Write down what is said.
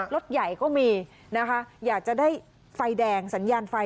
รถใหญ่ก็มีนะคะอยากจะได้ไฟแดงสัญญาณไฟ